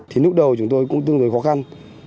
thì lúc đầu chúng tôi cũng tương đối khó khăn